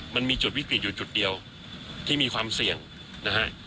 มันมีจุดวิกฤตอยู่จุดเดียวที่มีความเสี่ยงนะฮะ